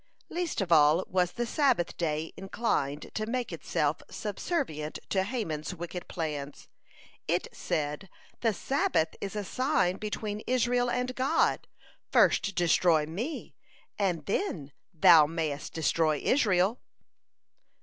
Least of all was the Sabbath day inclined to make itself subservient to Haman's wicked plans. It said: "The Sabbath is a sign between Israel and God. First destroy me, and then Thou mayest destroy Israel!"